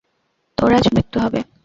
তোর আজ মৃত্যু হবে।